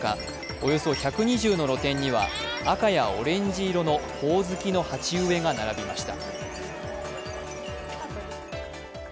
およそ１２０の露店には赤やオレンジ色のほおずきの鉢植えが並びました。